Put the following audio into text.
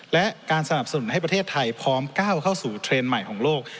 และการสนับสนุนให้ประเทศไทยพร้อมก้าวเข้าสู่เทรนด์ใหม่ของโลก